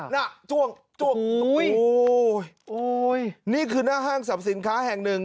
หน้าจ้วงจ้วงโอ้ยนี่คือหน้าห้างสรรพสินค้าแห่งหนึ่ง